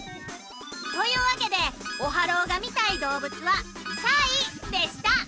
というわけでオハローがみたいどうぶつは「さい」でした。